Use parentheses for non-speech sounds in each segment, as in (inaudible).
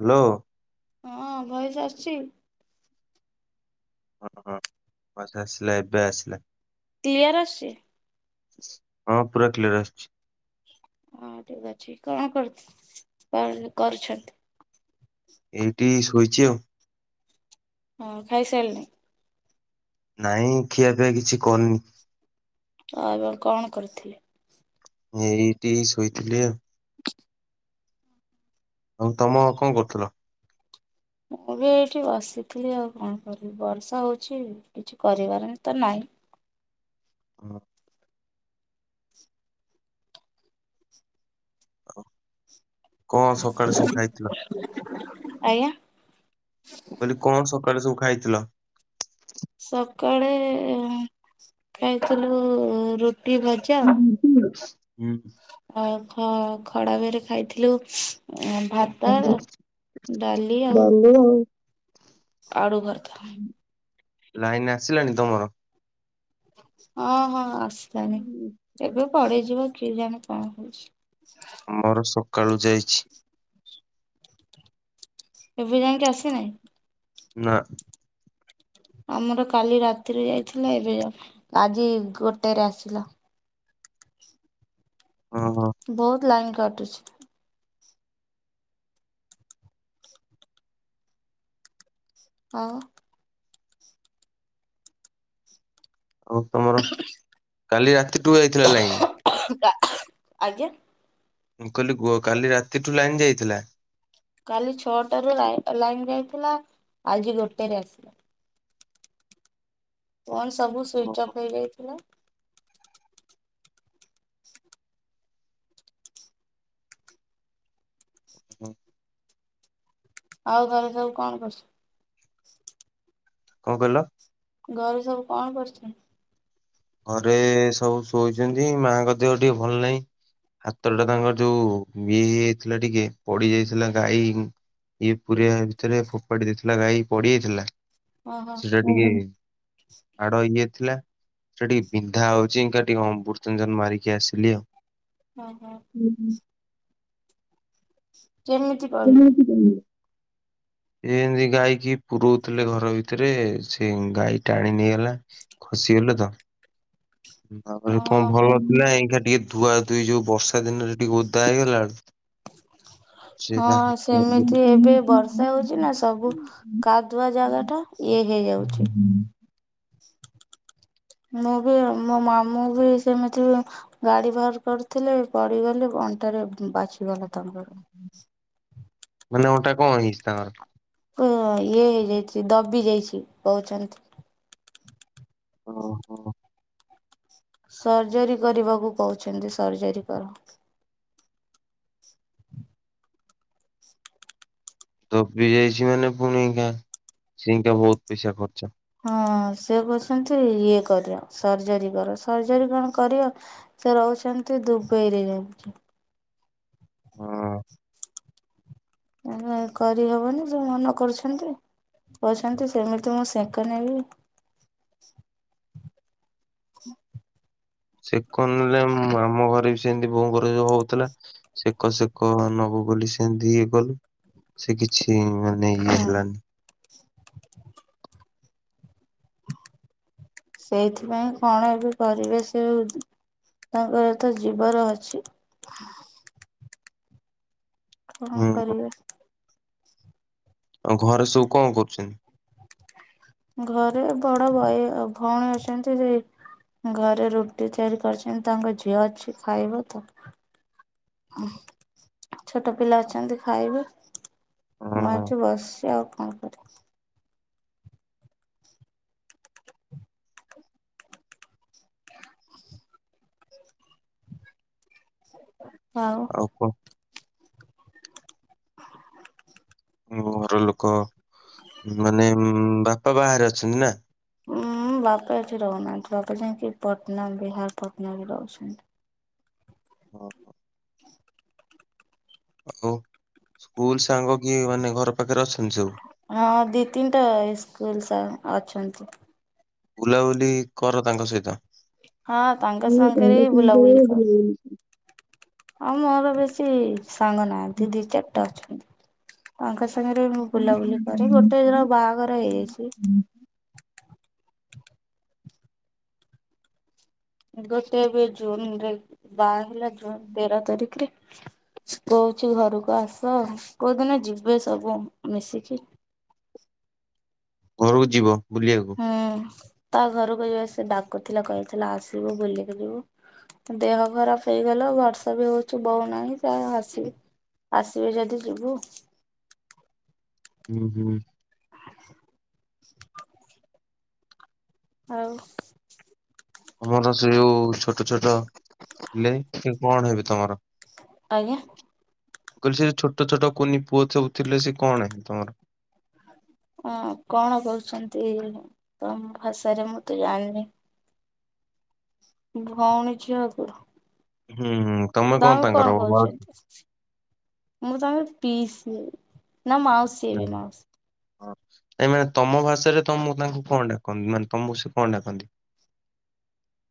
Hello. ହଁ ଭୟସ ଆସୁଚି? ହଁ ହଁ ୟସ ଆସିଲା ଏବେ ଆସିଲା। କ୍ଲିୟର ଆସଚି? ହଁ ପୁରା କ୍ଲିୟର ଆସୁଚି। ହଁ ଠିକ ଅଛି କଣ କରୁଥ କରଚି କରୁଛନ୍ତି? ଏଇଠି ଶୋଇଚି ଆଉ। ହଁ ଖାଇ ସାରିଲେଣି? ନାଇଁ ଖିଆ ପିଆ କିଛି କରିନି। ଅ ଏ ବାର କଣ କରିଥିଲେ? ଏଇଠି ଶୋଇଥିଲି ଆଉ। ଆଉ ତମ କଣ କରୁଥିଲ? ମୁଁ ବି ଏଇଠି ବସିଥିଲି ଆଉ କଣ କରିବି। ବର୍ଷା ହଉଚି କିଛି କରିବାର ତ ନାହିଁ। ହଁ କଣ ସକାଳେ ସବୁ ଖାଇଥିଲ? ଆଜ୍ଞା ମୁଁ କହି କଣ ସକାଳେୁ ସବୁ ଖାଇଥିଲ? ସକାଳେ ଖାଇଥିଲୁ ରୁଟି ଭଜା। ହୁଁ ଅ ଖ ଖଡା ଭରେ ଖାଇଥିଲୁ ଭା ତାର, ଡାଲି ଆଉ (inaudible) ଆଡ଼ୁ ଭର୍ତ୍ତା।। ଲାଇନ ଆସିଲାଣି ତମର? ହଁ ହଁ ଆସିିଲାନି ଏବେ ପଡେଇଯିବ। କେ ଜାଣି କଣ କଉଛି। ମର ସକାଳୁ ଯାଇଛି। ଏବେ ଯାଇକି ଆସିନାହିଁ? ନା। ଆମର କାଲି ରାତିରେ ଯାଇଥିଲା ଏବେ ଆଜି ଗୋଟେରେ ଆସିଲା। ଓହୋ ବହୁତ ଲାଇନ କାଟୁଛି। ଆଉ ଆଉ ତମର କାଲି ରାତିଠୁ ଯାଇଥିଲା ଲାଇନ। ଆଜ୍ଞା। ମୁଁ କହିଲି ଗୁହ କାଲି ରାତିଠୁ ଲାଇନ୍ ଯାଇଥିଲା? କାଲି ଛଅଟାରୁ ଲାଇନ ଯାଇଥିଲା ଆଜି ଗୋଟେ ଆସିଲା। ଫୋନ୍ ସବୁ ସୁଇଚ୍ ଅଫ୍ ହେଇଯାଇଥିଲା। ହୁ। ଆଉ ତମେ ସବୁ କଣ କରୁଛ? କଣ କହିଲ? ଘରୁ ସବୁ କଣ କରୁଛନ୍ତି? ଘରେ ସବୁ ଶୋଇଛନ୍ତି ମାଙ୍କ ଦେହ ଟିକେ ଭଲ ନାହିଁ। ହାତ ଟା ତାଙ୍କର ଯୋଉ ଇଏ ହେଇଯାଇଥିଲା ଟିକେ ପଡି ଯାଇଥିଲା ଗାଈ ଇଏ ପୁରୀଆ ଭିତରେ ଫୋପାଡି ଦେଇଥିଲା ଗାଈ ପଡିଯାଇଥିଲା। ଓହୋ ସେଟା ଟିକେ ଆଡ (unintelligible) ଥିଲା। ସେ ଟିକେ ବିନ୍ଧା ହଉଛି ଇକା ଟିକେ ଅମୃତ୍ୟଞ୍ଜନ ମାରିକି ଆସିଲି ଆଉ। ହଁ ହଁ। ହୁଁ ହୁଁ। କେମିତି କରିଲେ (unintelligible) ଏ ଏମିତି ଗାଈ କି ପୁରଉଥିଲେ ଘର ଭିତରେ ସେ ଗାଈ ଟାଣି ନେଇଗଲା। ଖୁସି ହେଲେ ତ। ଆରେ କଣ ହଁ ମୁଁ ଭଲଥିଲା ଏଇା ଟିକେ ଧୁଆ ଧୁଇ ଯୋଉ ବର୍ଷା ଦିନରେ ଟିକେ ଓଦା ହେଇଗଲା ସେଇଟା ହଁ ସେମିତି ଏବେ ବର୍ଷା ହଉଛି ନା ସବୁ କାଦୁଆ ଜାଗା ଟା ଇଏ ହେଇଯାଉଛି। ମୁଁ ବି ମୋ ମାମୁଁ ବି ସେମିତି ଗାଡି ବାହାର କରିଥିଲେ ପଡିଗଲେ ଅଣ୍ଟାରେ ବାଛିଗଲା ତାଙ୍କର। ମାନେ ଓଟା କଣ ହେଇଛି ତାଙ୍କର? ହଁ ଇଏ ହେଇଯାଇଛି ଦବି ଯାଇଛି କହୁଛନ୍ତି। ଓହୋ। ସର୍ଜରୀ କରିବାକୁ କହୁଛନ୍ତି ସର୍ଜରୀ କର। ତ ବି ଯାଇଛି ମାନେ ପୁଣିକା ସେଇକା ବହୁତ ପଇସା ଖର୍ଚ୍ଚ। ହଁ ସେ କହୁଛନ୍ତି ଇଏ କର ସର୍ଜରୀ କର ସର୍ଜରୀ କଣ କରିଅ ସେ ରହୁଛନ୍ତି ଦୁବଇରେ ଯାଉଛି। ହଁ। କରିହବନି ସେ ମନ କରୁଛନ୍ତି। ଅଛନ୍ତି ସେମିତି ମୁଁ ସେଙ୍କ ନେବି। ହଁ। ସେ କ ନେଲେ ଆମ ଘରେ ବି ସେମିତି ବୋଉ ଘରେ ଯ ହଉଥିଲା ସେକ ସେକ ନବୁ ବୋଲି ସେମତି ଇଏ ଗଲୁ ସେ କିଛି ମାନେ ଇଏ ହୁଁ ହେଲାନି। (inaudible) ସେଇଥିପାଇଁ କଣ ଏ ବି ପରିବେଶ ତାଙ୍କର ତ ଜୀବର ଅଛି। ହଁ ହୁଁ କରିବା। ଆଉ ଘରେ ସବୁ କଣ କରୁଛନ୍ତି। ଘରେ ବଡ ବାଇ ଭଉଣୀ ଅଛନ୍ତି ସେଇ ଘରେ ରୁଟି ତିଆରି କରିଛନ୍ତି ତାଙ୍କ ଝିଅ ଅଛି ଖାଇବ ତ। ଛୋଟ ପିଲା ଅଛନ୍ତି ଖାଇବେ। ମୁଁ ହଁ ଏଠି ବସି ଆଉ କଣ କରିବି। ହଁ (unintelligible) ହ କୁହ (unintelligible) ଘର ଲୋକ ମାନେ ବାପା ବାହାରେ ଅଛନ୍ତି ନା? ଉଁ ବାପା ଏଠି ରହୁନାହାନ୍ତି ବାପା ଯାଇକି ପଟନା ବିହାର ପଟନା ବି ରହୁଛନ୍ତି। ଓଁ ହୋ। ହ (inaudible) ଆଉ ସ୍କୁଲ ସାଙ୍ଗ କି ମାନେ ଘର ପାଖରେ ଅଛନ୍ତି ସବୁ। ହଁ ଦି ତିନିଟା ସ୍କୁଲ ଅଛନ୍ତି। ବୁଲାବୁଲି କର ତାଙ୍କ ସହିତ ହଁ ତାଙ୍କ ସାଙ୍ଗରେ ହିଁ ବୁଲାବୁଲି କରେ ଆଉ ମୋର ବେଶୀ ସାଙ୍ଗ ନାହାନ୍ତି ଦି ଚାରିଟା ଅଛନ୍ତି। ତାଙ୍କ ସାଙ୍ଗରେ ମୁଁ ବୁଲାବୁଲି କରେ ଗୋଟେ ଦିନ ବାହାଘର ହେଇଯାଇଛି। ଗୋଟେ ଏବେ ଜୁନ ରେ ବାହା ହେଲା ଜୁନ ତେର ତାରିଖରେ। କହୁଛି ଘରକୁ ଆସ କୋଉଦିନ ଯିବେ ସବୁ ମିଶିକି। ଘରକୁ ଯିବ ବୁଲିବାକୁ। ହୁଁ ତା ଘରକୁ ଯିବିବା ସେ ଡାକୁଥିଲା କହିହଥିଲା ଆସିବୁ ବିଲ ଯିବୁ। ଦେହ ଖରାପ ହେଇଗଲ ବର୍ଷ ବି ହଉଛି ବୋଉନାହିଁ ଯହା ଆସିବି। ଆସିବେ ଯଦି ଯିବୁ। ହୁଁ ହୁଁ। (inaudible) ହଉ। ତମର ସେ ଯୋଉ ଛୋଟ ଛୋଟ ଥିଲେ କି କଣ ହେବି ତମର। ଆଜ୍ଞା। କହିଲେ ସେ ଛୋଟ ଛୋଟ କୁନି ପୁଅ ସବୁ ଥିଲେ ସେ କଣ ତମର। ହ କଣ କହୁଛନ୍ତି ତମ ଭାଷାରେ ମୁଁ ତୁ ଜାଣିନି ଭଉଣୀ ଝିଅ କୁ। ହୁଁ ତମେ ତାଙ୍କର ହବ କହୁଛନ୍ତି ମୁଁ ତାଙ୍କର ପିଇସି ନା ମାଉସୀ ହ ହେବି (inaudible) ମାଉସୀ ହଁ ନାଇ ମାନେ ତମ ଭାଷାରେ ତମ ତାଙ୍କୁ କଣ ଡାକନ୍ତି ମାନେ ତମକୁ ସେ କଣ ଡାକନ୍ତି।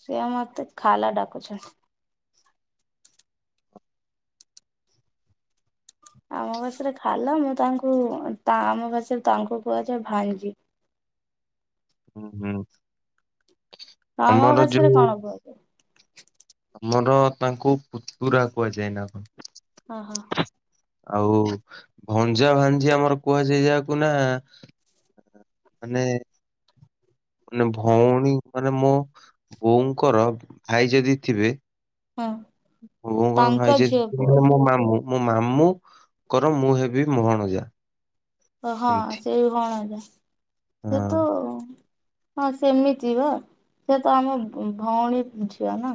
ସେଏ ମତେ ଖାଲା ଡାକୁଛନ୍ତି। ଆମ ପାଶରେ ଖାଲା ମୁଁ ତାଙ୍କୁ ଆମ ପାଶରେ ତାଙ୍କୁ କୁହାଯାଏ ଭାଞ୍ଜି। ହୁଁ ହୁଁ ଆମ ଆମର ଭାଷାରେ ଯୋଉ କଣ କୁହାଯାଏ? ଆମର ତାଙ୍କୁ ପୁତୁରା କୁହାଯାଏନା କଣ? ଓହୋ। ଆଉ ଭଞ୍ଜା ଭାଞ୍ଜି ଆମର କୁହାଯାଏ ଯାହାକୁ ନା ମାନେ ମାନେ ଭଉଣୀ ମାନେ ମୋ ବୋଉଙ୍କର ଭାଇ ଯଦି ଥିବେ ହଁ। ମୋ ବୋଉ ଙ୍କର ଭାଇ ତାଙ୍କ ଯଦି ଝିଅ ପୁଅ ଥିବନି ମୋ ମାମୁଁ ମୋ ମାମୁଁ ଙ୍କର ମୁଁ ହେବି ଭଣଜା। ଓ ହଁ ସେମିତି ସେ ଭଣଜା ସେ ହଁ ତ ହଁ ସେମିତି ବା ସେତ ଆମ ଭ ଭଉଣୀ ଝିଅ ନା?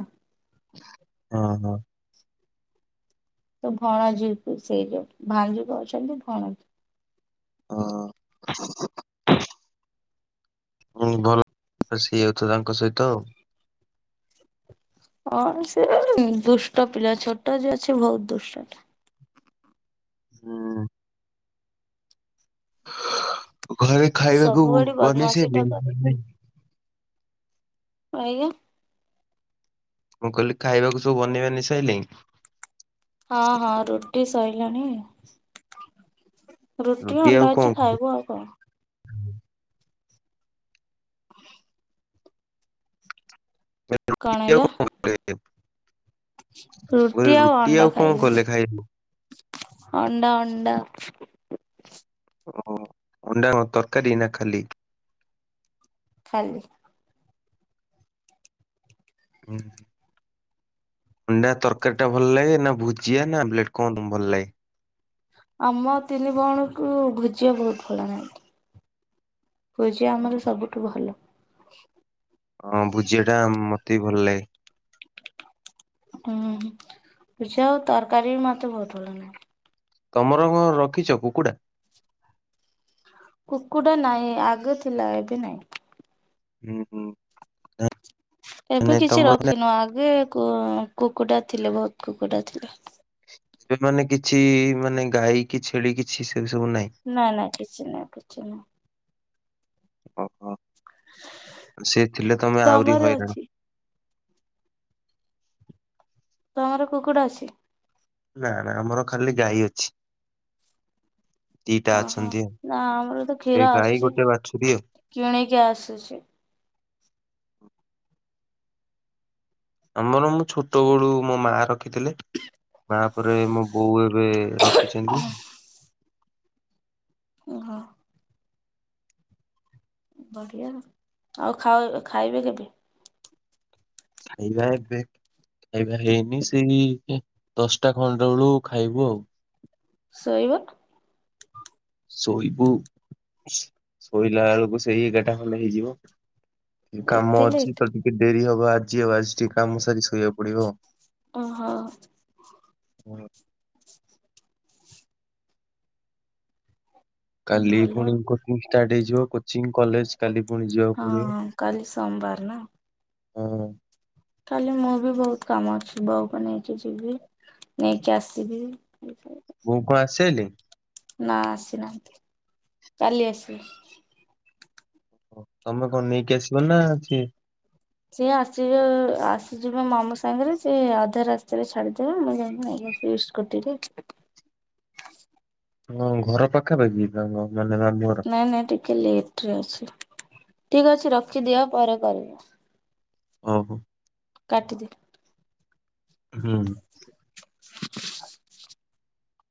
ହଁ ହଁ। ତ ଭଣଜୀକୁ ସେଇ ଯୋଉ ଭାଣିଜୀକୁ କହୁଛନ୍ତି ଭଣଜା। ଅ ହଁ। ହଁ ଭଲ (unintelligible) ହେଇ ଯାଉଥିବ ତାଙ୍କ ସହିତ। ହଁ ସେ ଏ ଦୁଷ୍ଟ ପିଲା ଛୋଟ ଯିଏ ଅଛି ବହୁତ ଦୁଷ୍ଟ ଟା। ହୁଁ। ଘରେ ଖାଇବାକୁ ସବୁବେଳେ ବନେଇ ବଦମାସି ଟା ସାରିଲେଣି କରେ। ନା ନାଇଁ। ଏଇୟା। ମୁଁ କହିଲି ଖାଇବାକୁ ସବୁ ବନେଇ ବାନେଇ ସାରିଲାଣି? ହଁ ହଁ ରୁଟି ସଇଲାଣି। ରୁଟି ଆଉ ଅଣ୍ଡା କଣ ଅଛି ଖାଇବୁ ଆଉ କଣ। (unintelligible) କିଲ କଣ ହେଲା ରୁଟି ଆଉ କଣ କଲେ ଖାଇ ବାକୁ? ଅଣ୍ଡା ଅଣ୍ଡା। ଓ ହୋ ଅଣ୍ଡା ତରକାରୀ ନା ଖାଲି? ଖାଲି। ହୁଁ। ଅଣ୍ଡା ତରକାରୀ ଟା ଭଲ ଲାଗେ ନା ଭୁଜିଆ ନା ଆମ୍ଲେଟ କଣ ତ ଭଲ ଲାଗେ? ଆମ ତିନି ଭଉଣୀକୁ ଭୁଜିଆ ବହୁତ ଭଲ ଲାଗେ। ଭୂଜିଆ ଆମର ସବୁଠୁ ଭଲ। ହଁ ଭୁଜିବା ଟା ମତେ ବି ଭଲ ଲାଗେ। ହୁଁ ହଁ ଭୁଜିଆ ଆଉ ତରକାରୀ ବି ମତେ ବହୁତ ଭଲ ଲାଗେ। ତମର କଣ ରଖିଛ କୁକୁଡ଼ା? କୁକୁଡ଼ା ନାଇଁ ଆଗେ ଥିଲା ଏବେ ନାଇଁ। ହୁଁ ହୁଁ। ଏବେ ମାନେ କିଛି ତମର ମାନେ ରଖିନୁ ଆଗେ କୁକୁଡ଼ା ଥିଲେ ବହୁତ କୁକୁଟା ଥିଲେ। ଏବେ ମାନେ କିଛି ମାନେ ଗାଈ କି ଛେଳି କିଛି ସେ ସବୁ ନାହିଁ। ନାଇଁ ନାଇଁ କିଛି ନାଇଁ କିଛି ନାହିଁ। ଓହୋ ସେ ଥିଲେ ତମେ ଆହୁରି ତମର ହଇରାଣ। ଅଛି ତମର କୁକୁଡ଼ା ଅଛି ନା ନା ଆମର ଖାଲି ଗାଈ ଅଛି। ଦିଟା ଓହୋ ଅଛନ୍ତି ଆ ନା ଆମର ତ କ୍ଷୀର ସେ ଗାଈ ଆସୁଛି ଗୋଟେ ବାଛୁୁରୀ ଆଉ। କିଣିକି ଆସୁଛି। ଆମର ମୁଁ ଛୋଟ ବେଳୁ ମୋ ମା ରଖିଥିଲେ ମା ପରେ ମୋ ବୋଉ ଏବେ ରଖି କିଛନ୍ତି। ଓହ। ବଢିଆ ଆଉ ଖାଉ ଖାଇବେ କେବେ? ଖାଇବା ଏବେ। ଖାଇବା ହେଇନି ସେଇ ଦଶଟା ଖଣ୍ଡ ବେଳୁ ଖାଇବୁ ଆଉ। ଶୋଇବ? ଶୋଇବୁ ଶୋଇଲା ବେଳକୁ ସେଇ ଏଗାରଟା ଖଣ୍ଡେ ହେଇଯିବ। ଟିକେ କାମ ଏତେ ଅଛି ଲେଟ୍ ତ ଟିକେ ଡେରି ହବ ଆଜି ଆଉ ଆଜି ଟିକେ କାମ ସାରି ଶୋଇବାକୁ ପଡିବ। ଓହୋ। ଆଉ। କାଲି ଭଲ ପୁଣି କୋଚିଂ ଷ୍ଟାର୍ଟ ହେଇଯିବ କୋଚିଂ କଲେଜ। କାଲି ପୁଣି ଯିବାକୁ ପଡିବ ହଁ କାଲି ସୋମବାର ନା ହଁ। କାଲି ମୋ ବି ବହୁତ କାମ ଅଛି ବଉକୁ ନେଇକି ଯିବି ନେଇକି ଆସି ସିବି (unintelligible) ବଉ କଣ ଆସିସାଇଲେ? ନା ଆସିନାହାନ୍ତି କାଲି ଆସିବେ। ଓ ତମେ କଣ ନେଇକି ଆସିବ ନା ସିଏ ସିଏ ଆସିବେ ଆସିଯିବେ ମାମୁଁ ସାଙ୍ଗରେ ସିଏ ଅଧା ରାସ୍ତାରେ ଛାଡିଦେବେ। ମୁଁ ଯାଇକି ନେଇ ଆସିବି। ଇଷ୍ଟ କଟିରେ ହଁ ଘର ପାଖାପାଖି ତମ ମାନେ ମାମୁଁ ଘର? ନାଇଁ ନାଇଁ ଟିକେ ଲେଟ ରେ ଅଛି। ଠିକ ଅଛି ରଖିଦିଅ ପରେ କରିବି। ଓହୋ। କାଟି ଦେ। ହୁଁ।